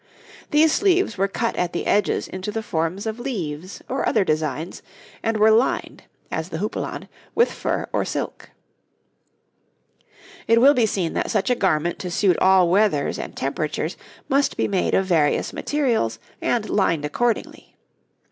These sleeves were cut at the edges into the forms of leaves or other designs, and were lined, as the houppelande, with fur or silk. It will be seen that such a garment to suit all weathers and temperatures must be made of various materials and lined accordingly.